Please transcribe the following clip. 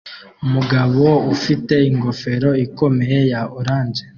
Umugabo ufite ingofero ikomeye ya orange